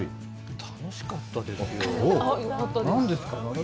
楽しかったですよ。